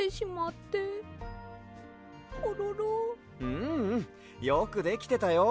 ううん。よくできてたよ。